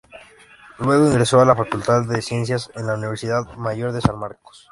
Luego ingresó a la Facultad de Ciencias de la Universidad Mayor de San Marcos.